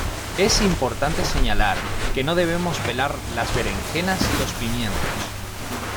Es importante señalar que no debemos pelar las berenjenas y los pimientos.